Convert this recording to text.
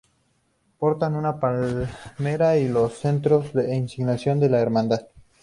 Portan una palmera y los cetros e insignias de la Hermandad.